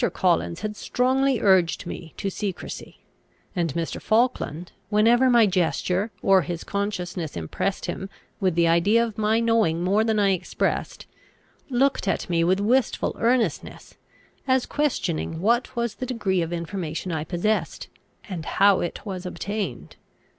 Collins had strongly urged me to secrecy; and Mr. Falkland, whenever my gesture or his consciousness impressed him with the idea of my knowing more than I expressed, looked at me with wistful earnestness, as questioning what was the degree of information I possessed, and how it was obtained.